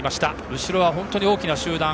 後ろは本当に大きな集団。